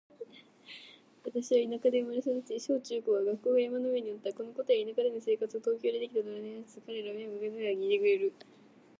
私は田舎で生まれ育ち、小・中・高は学校が山の上にあった。このことや田舎での生活を東京でできた友達に話すと、彼らは目を輝かせながら聞いてくれる。